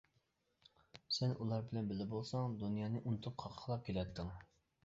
سەن ئۇلار بىلەن بىللە بولساڭ دۇنيانى ئۇنتۇپ، قاقاقلاپ كۈلەتتىڭ.